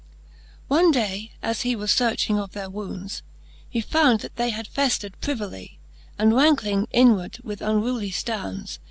V. One day, as he was fearching of their wounds. He found that they had feftred privily, * And ranckling inward with unruly ftounds.